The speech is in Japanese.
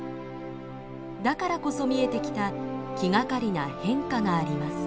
だからこそ見えてきた気がかりな変化があります。